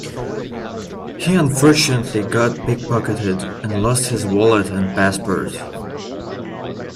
He unfortunately got pick-pocketed and lost his wallet and passport.